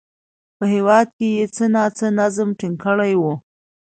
په هېواد کې یې څه ناڅه نظم ټینګ کړی و